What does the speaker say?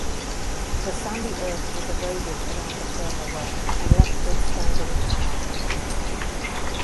The sandy earth was eroded around the firmer rock and left it standing proud.